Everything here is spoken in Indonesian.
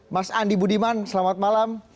mas andi budiman selamat malam